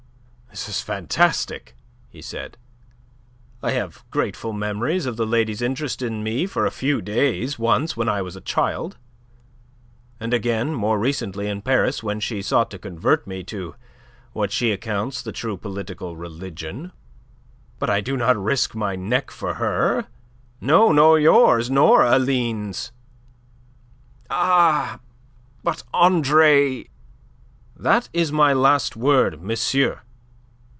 "This is fantastic," he said. "I have grateful memories of the lady's interest in me for a few days once when I was a child, and again more recently in Paris when she sought to convert me to what she accounts the true political religion. But I do not risk my neck for her no, nor yours, nor Aline's." "Ah! But, Andre..." "That is my last word, monsieur.